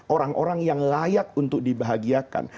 orang orang yang layak untuk dibahagiakan